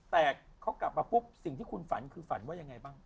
แต่เขากลับมาปุ๊บสิ่งที่คุณฝันคือฝันว่ายังไงบ้าง